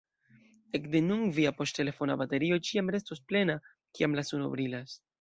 Ekde nun via poŝtelefona baterio ĉiam restos plena, kiam la suno brilas!